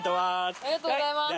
ありがとうございます。